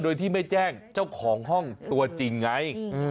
โดยที่ไม่แจ้งเจ้าของห้องตัวจริงไง